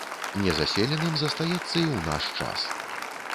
Незаселеным застаецца і ў наш час.